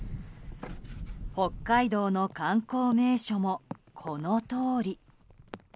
北海道の観光名所もこのとおり。